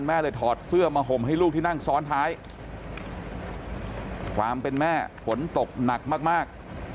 แม่เลยถอดเสื้อมาห่มให้ลูกที่นั่งซ้อนท้ายความเป็นแม่ฝนตกหนักมาก